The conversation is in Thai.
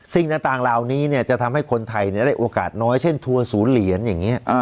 สิ่งต่างเหล่านี้จะทำให้คนไทยได้โอกาสน้อยเช่นทัวร์ศูนย์เหรียญอย่างนี้